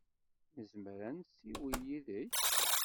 Nezmer ad nessiwel yid-k?